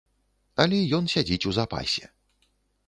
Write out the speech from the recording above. Але ён сядзіць у запасе.